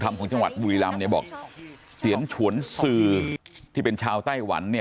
ของจังหวัดบุรีรำเนี่ยบอกเตียนฉวนสื่อที่เป็นชาวไต้หวันเนี่ย